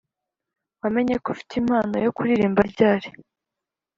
Wamenye ko ufite impano yo kuririmba ryari?